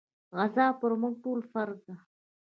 غزا پر موږ ټولو فرض ده.